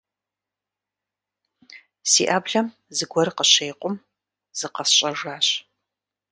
Си Ӏэблэм зыгуэр къыщекъум, зыкъэсщӀэжащ.